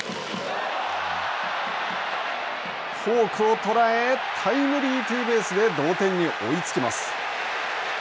フォークを捉えタイムリーツーベースで同点に追いつきます。